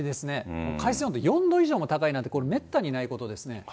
もう海水温度４度以上も高いなんてめったにないことですね。